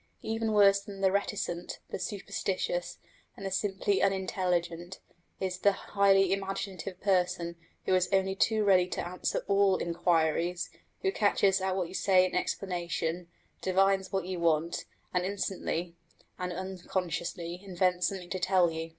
Even worse than the reticent, the superstitious, and the simply unintelligent, is the highly imaginative person who is only too ready to answer all inquiries, who catches at what you say in explanation, divines what you want, and instantly (and unconsciously) invents something to tell you.